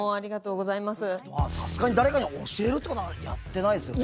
さすがに誰かに教えるってことはやってないですよね？